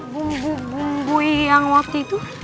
bumbu bumbu yang waktu itu